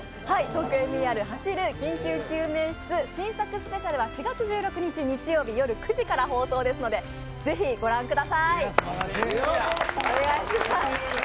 「ＴＯＫＹＯＭＥＲ走る緊急救命室」新作スペシャルは４月１６日日曜日夜９時から放送ですので、ぜひご覧ください、お願いします。